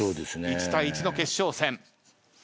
１対１の決勝戦。